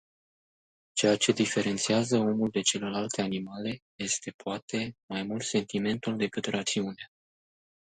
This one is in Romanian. Ceea ce diferențiază omul de celelalte animale este, poate, mai mult sentimentul decât rațiunea.